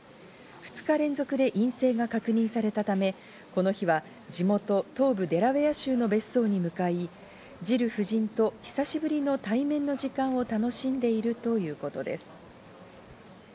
２日連続で陰性が確認されたため、この日は地元・東部デラウェア州の別荘に向かい、ジル夫人と久しぶりの対面の時間を楽しんでいるということです。